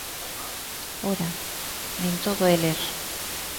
Ora, nin todo é ler.